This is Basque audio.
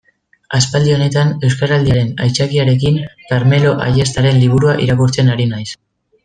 Aspaldi honetan, Euskaraldiaren aitzakiarekin, Karmelo Ayestaren liburua irakurtzen ari naiz.